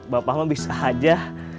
bapakmu bisa aja